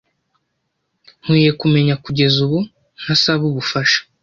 Nkwiye kumenya kugeza ubu ntasaba ubufasha.